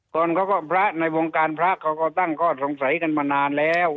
ก่อนเขาก็ในวงการพระเขาก็ตั้งสงสัยกันมานานแล้ว